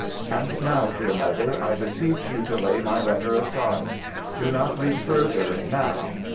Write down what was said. "And now, dear Mother, I beseech you to lay my letter aside! Do not read further now.